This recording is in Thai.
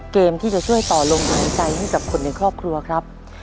เกมที่จะช่วยต่อลมหายใจให้กับคนในครอบครัวครับ